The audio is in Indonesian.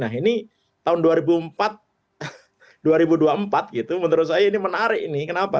nah ini tahun dua ribu empat menurut saya ini menarik ini kenapa